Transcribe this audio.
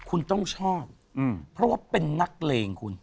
คุณต้องชอบเพราะว่าเป็นนักเลงคุณ